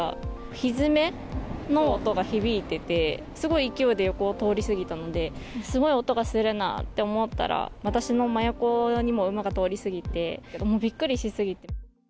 ひづめの音が響いてて、すごい勢いで横を通り過ぎたので、すごい音がするなって思ったら、私の真横にも馬が通り過ぎて、びっくりし過ぎて。